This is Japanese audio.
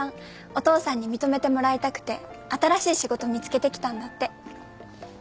お父さんに認めてもらいたくて新しい仕事見つけてきたんだって。